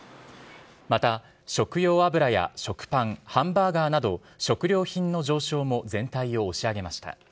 また、食用油や食パンハンバーガーなど食料品の上昇も全体を押し上げました。